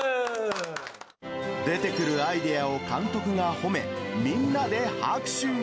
出てくるアイデアを監督が褒め、みんなで拍手。